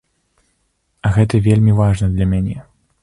А гэта вельмі важна для мяне.